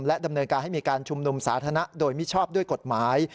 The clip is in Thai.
ดำเนินการให้มีการชุมนุมสาธารณะโดยมิชอบด้วยกฎหมาย